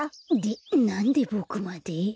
でなんでボクまで？